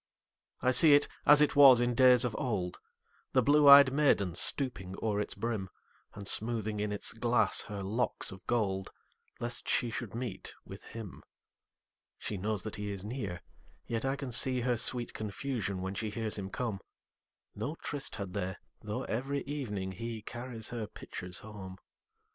I see it as it was in days of old, The blue ey'd maiden stooping o'er its brim, And smoothing in its glass her locks of gold, Lest she should meet with him. She knows that he is near, yet I can seeHer sweet confusion when she hears him come.No tryst had they, though every evening heCarries her pitchers home.